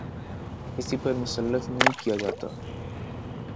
کسی پر مسلط نہیں کیا جاتا۔